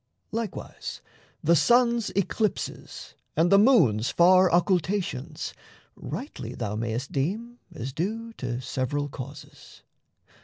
Likewise, the sun's eclipses and the moon's Far occultations rightly thou mayst deem As due to several causes.